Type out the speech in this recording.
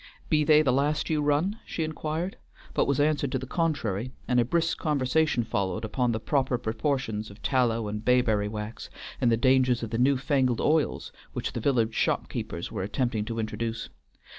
"Be they the last you run?" she inquired, but was answered to the contrary, and a brisk conversation followed upon the proper proportions of tallow and bayberry wax, and the dangers of the new fangled oils which the village shop keepers were attempting to introduce.